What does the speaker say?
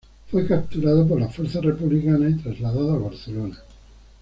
Fue capturado por las fuerzas republicanas y trasladado a Barcelona.